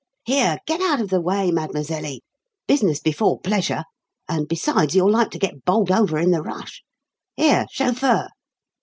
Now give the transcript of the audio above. "Here! get out of the way, madmazelly. Business before pleasure. And, besides, you're like to get bowled over in the rush. Here, chauffeur!"